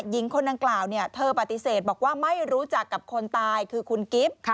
หญิงคนดังกล่าวเธอปฏิเสธบอกว่าไม่รู้จักกับคนตายคือคุณกิฟต์